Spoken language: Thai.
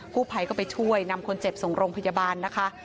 ผู้ภัยก็ไปช่วยนำคนเจ็บส่งโรงพยาบาลนะคะ